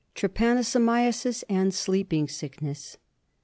Trypanosomiasis and Sleeping Sickness.